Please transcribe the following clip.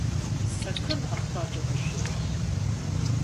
Sakın aptalca bir şey yapma.